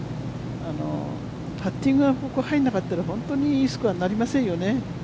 パッティングはここ入らなかったら、いいスコアになりませんよね。